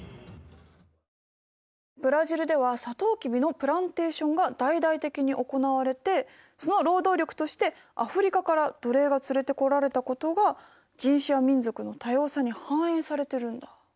ブラジルではさとうきびのプランテーションが大々的に行われてその労働力としてアフリカから奴隷が連れてこられたことが人種や民族の多様さに反映されてるんだ。